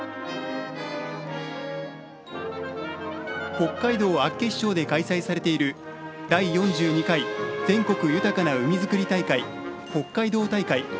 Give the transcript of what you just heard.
北海道厚岸町で開催されている「第４２回全国豊かな海づくり大会北海道大会」。